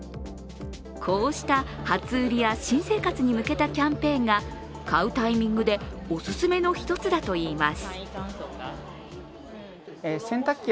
こうした初売りや新生活に向けたキャンペーンが買うタイミングでお勧めの一つだといいます。